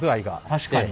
確かに。